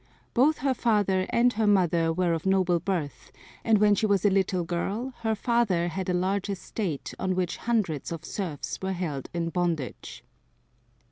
Both her father and her mother were of noble birth, and when she was a little girl her father had a large estate on which hundreds of serfs were held in bondage.